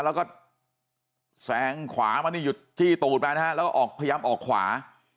แล้วก็แซงขวามานี่หยุดจี้ตูดมานะฮะแล้วก็ออกพยายามออกขวา